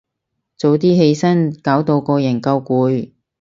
早啲起身，搞到個人夠攰